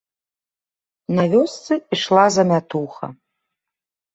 На вёсцы ішла замятуха.